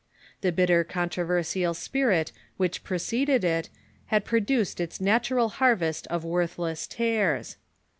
The bitter controversial spirit which preceded it had produced its nat ural harvest of worthless tares.